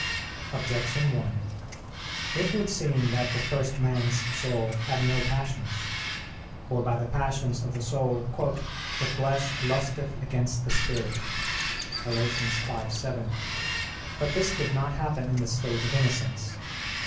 Objection 1: It would seem that the first man's soul had no passions. For by the passions of the soul "the flesh lusteth against the spirit" (Gal. 5:7). But this did not happen in the state of innocence.